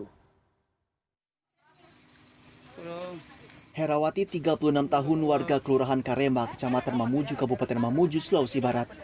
herawati tiga puluh enam tahun warga kelurahan karema kecamatan mamuju kabupaten mamuju sulawesi barat